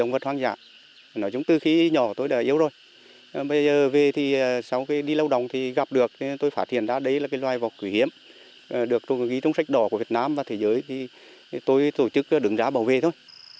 bây giờ về thì sau đi lao động thì gặp được tôi phát hiện ra đây là loài vọc quý hiếm được ghi trong sách đỏ của việt nam và thế giới thì tôi tổ chức đứng ra bảo vệ thôi